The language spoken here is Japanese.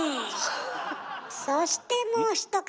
そしてもう一方！